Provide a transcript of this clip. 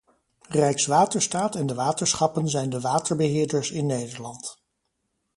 Rijkswaterstaat en de waterschappen zijn de waterbeheerders in Nederland.